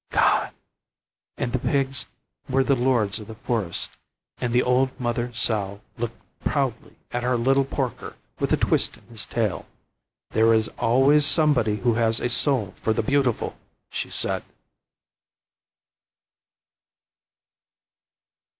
gone!" And the pigs were the lords of the forest, and the old mother sow looked proudly at her little porker with the twist in his tail. "There is always somebody who has a soul for the beautiful!" she said.